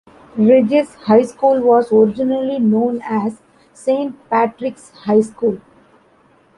Regis High School was originally known as Saint Patrick's High School.